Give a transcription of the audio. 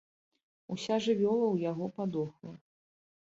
Уся жывёла ў яго падохла.